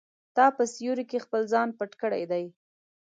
تا په سیوري کې خپل ځان پټ کړی دی.